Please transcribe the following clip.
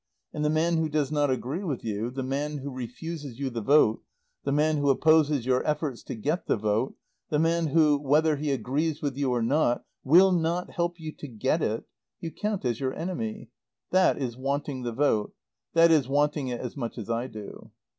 And the man who does not agree with you, the man who refuses you the vote, the man who opposes your efforts to get the vote, the man who, whether he agrees with you or not, will not help you to get it, you count as your enemy. That is wanting the vote. That is wanting it as much as I do.